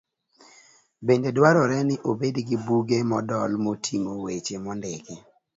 Bende dwarore ni obed gi buge modol moting'o weche mondiki.